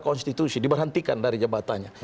konstitusi diberhentikan dari jabatannya